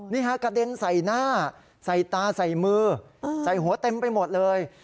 นี่ฮะกระเด็นใส่หน้าใส่ตาใส่มือใส่หัวเต็มไปหมดเลย